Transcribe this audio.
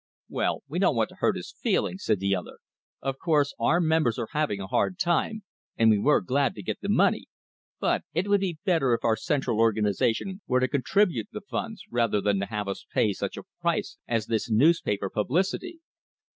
"Well, we don't want to hurt his feelings," said the other. "Of gourse our members are having a hard time, and we were glad to get the money, but it would be better if our central organization were to contribute the funds, rather than to have us pay such a price as this newspaper publicity."